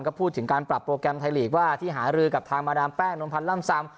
ก็พูดถึงการปรับโปรแกรมไทยลีกว่าที่หารือกับทางมาดามแป้งนมพันธ์ล่ำซำ